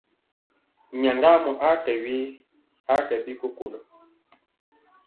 Nyaŋgamɔ a kɛ we, a kɛ bi kokolɔ.